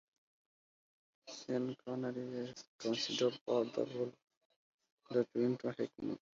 Sean Connery was considered for the role that went to Hackman.